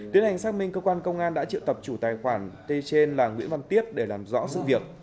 tiến hành xác minh cơ quan công an đã triệu tập chủ tài khoản t trên là nguyễn văn tiếp để làm rõ sự việc